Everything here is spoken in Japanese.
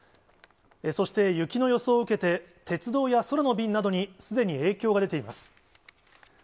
そして、雪の予想を受けて、鉄道や空の便などに、すでに影響が出ています。